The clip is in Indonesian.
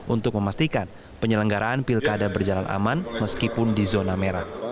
untuk memastikan penyelenggaraan pilkada berjalan aman meskipun di zona merah